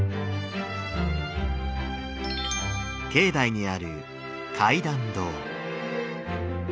境内にある戒壇堂。